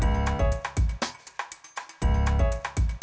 pintar pintar pintar